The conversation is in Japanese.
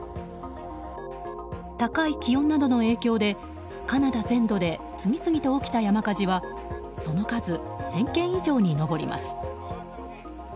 高い気温などの影響でカナダ全土で次々と起きた山火事はその数１０００件以上に上ります。